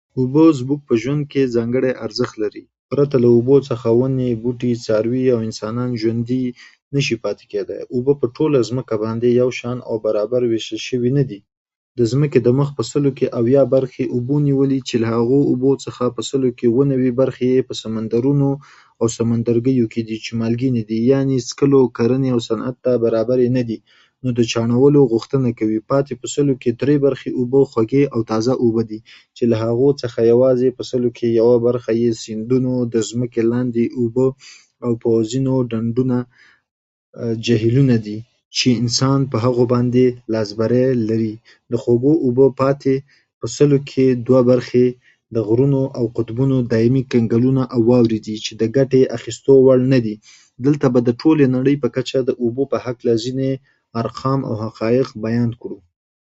اوبه زموږ په ژوند کې ځانګری ارزښت لري پرته له اوبو څخه ونې ،بوټي، څاوري او انسانان ژوندي نشي پاتي کیدلای اوبه په ټوله ځمکه باندې یو شان او برابري ویشل شوي ندي د ځمکې پر مخ له سلو اويا برخې اوبه نیولي چې له هغو اوبو په سلو کې ۹۷ برخې يې په سمندرونو او سمندرګیو کې دي چې مالګینی دی يعني څښلو ،کرنې او صنعت ته برابري ندي نو د چاڼولو غوښتنه کوي پاتي په سلو کې دري برخې اوبه خوږې او تازه اوبه دي چې له هغو څخه يوازي يوه برخه یې د سندونو د ځمکې لاندي اوبه او په ځينو ډنډونو مممم جهیلونه دي چې انسان په هغه باندې لاس بري لري دخوږو اوبو پاتي په سلو کې دوه برخې د غرونو او قطبونو دایمي ګنګلونه او واورې دي چې د ګتې اخیستو وړ ندي دلته به د ټولې نړۍ په کچه د اوبو ځيني ارقام او حقایق بیان کړو